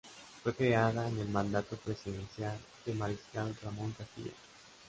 Fue creada en el mandato presidencial del Mariscal Ramón Castilla.